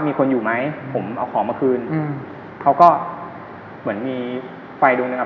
มีคนอยู่ไหมผมเอาของมาคืนอืมเขาก็เหมือนมีไฟดวงหนึ่งอ่ะ